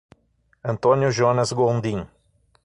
Antônio Jonas Gondim